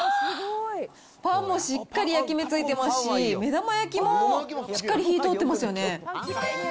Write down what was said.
パンもしっかり焼き目ついてますし、目玉焼きもしっかり火、通ってますよね。